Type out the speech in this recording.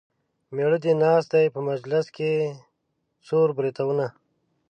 مېړه دې ناست دی په مجلس کې څور بریتونه.